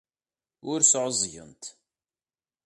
Ur sɛuẓẓgent.